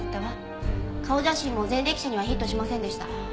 顔写真も前歴者にはヒットしませんでした。